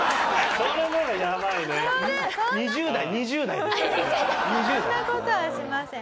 そんな事はしません。